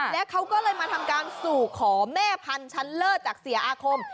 และเขาก็เลยมาทำการสู่ขอแม่พันธุ์ชั้นเลิศจากเสียอาคม